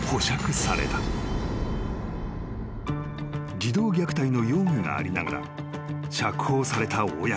［児童虐待の容疑がありながら釈放された親子］